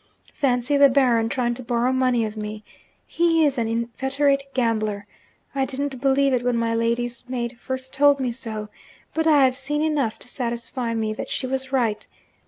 Fancy the Baron trying to borrow money of me! he is an inveterate gambler. I didn't believe it when my lady's maid first told me so but I have seen enough since to satisfy me that she was right.